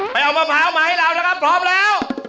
ไปเอามะพร้าวมาให้เรานะครับพร้อมแล้ว